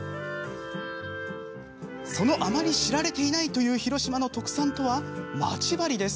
そのあまり知られていないという広島の特産とは、まち針です。